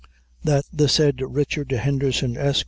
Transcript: That the said Richard Henderson, Esq.